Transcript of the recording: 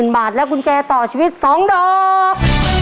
๐บาทและกุญแจต่อชีวิต๒ดอก